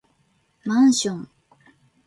マンション